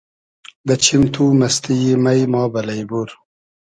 دۂ چیم تو مئستی یی مݷ ما بئلݷ بور